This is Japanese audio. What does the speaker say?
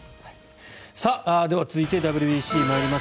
では続いて、ＷＢＣに参ります。